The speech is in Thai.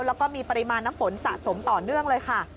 แล้วก็มีปริมาณน้ำฝนสะสมต่อเนื่องเลยค่ะ